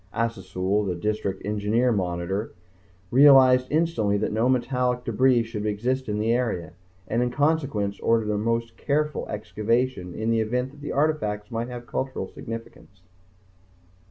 Assasul, the District Engineering monitor, realized instantly that no metallic debris should exist in that area, and in consequence ordered a most careful excavation in the event that the artifacts might have cultural significance.